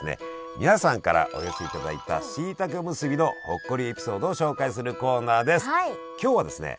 皆さんからお寄せいただいたしいたけおむすびのほっこりエピソードを紹介するコーナーです！